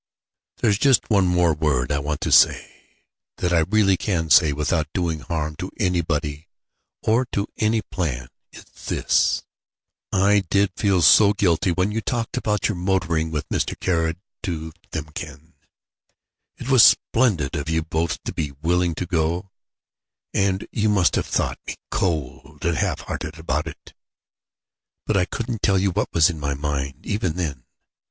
"There's just one more word I want to say, that I really can say without doing harm to anybody or to any plan. It's this. I did feel so guilty when you talked about your motoring with Mr. Caird to Tlemcen. It was splendid of you both to be willing to go, and you must have thought me cold and half hearted about it. But I couldn't tell you what was in my mind, even then.